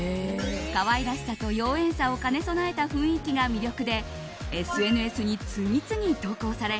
可愛らしさと妖艶さを兼ね備えた雰囲気が魅力でＳＮＳに次々投稿され